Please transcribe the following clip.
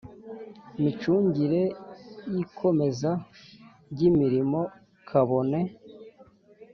Micungire y ikomeza ry imirimo kabone